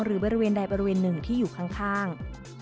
หรือบริเวณใดบริเวณหนึ่งที่อยู่ข้าง